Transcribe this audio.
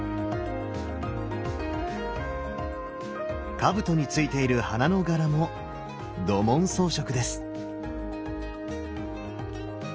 かぶとについている花の柄も土紋装飾です。